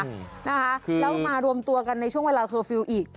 แล้วมารวมตัวกันในช่วงเวลาเคอร์ฟิลล์อีก